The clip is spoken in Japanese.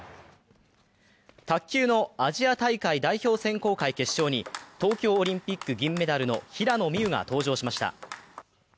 卓球のアジア大会代表選考会決勝に東京オリンピック銀メダルの平野美宇が登場しました。